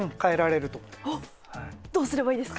おっどうすればいいですか？